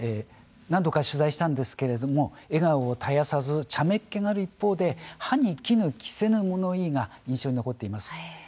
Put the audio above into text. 何度か取材したんですけれども笑顔を絶やさずちゃめっ気がある一方で歯にきぬ着せぬ物言いが印象に残っています。